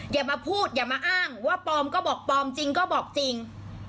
อย่ามาพูดอย่ามาอ้างว่าปลอมก็บอกปลอมจริงก็บอกจริง